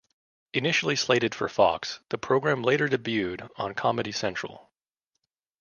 Initially slated for Fox, the program later debuted on Comedy Central.